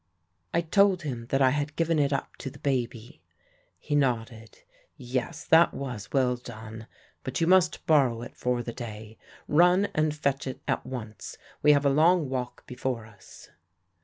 "I told him that I had given it up to the baby. "He nodded. 'Yes, that was well done; but you must borrow it for the day. Run and fetch it at once; we have a long walk before us.'